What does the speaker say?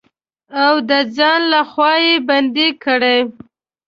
او د ځان لخوا يې بندې کړي.